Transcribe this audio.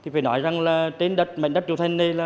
phải nói rằng tên đất mệnh đất triệu thành này